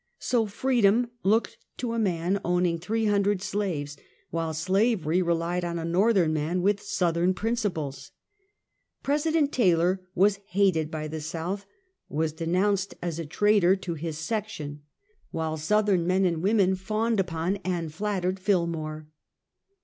So, Freedom looked to a man owning three hundred slaves, while slavery re lied on " a l^orthern man with Southern principles." President Taylor was hated by the South, was de nounced as a traitor to his section, while Southern 128 Half a Centukt. men and women fawned upon and flattered Fillmore.